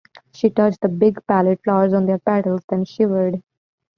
She touched the big, pallid flowers on their petals, then shivered.